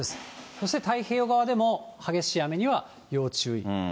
そして太平洋側でも激しい雨には要注意。